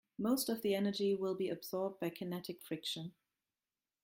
Most of the energy will be absorbed by kinetic friction.